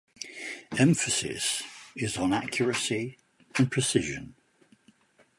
Emphasis is on accuracy and precision.